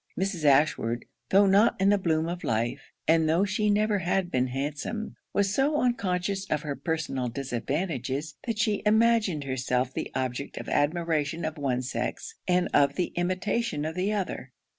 Mrs. Ashwood, tho' not in the bloom of life, and tho' she never had been handsome, was so unconscious of her personal disadvantages, that she imagined herself the object of admiration of one sex and of the imitation of the other.